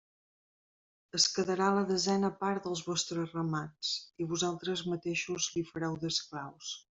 Es quedarà la desena part dels vostres ramats, i vosaltres mateixos li fareu d'esclaus.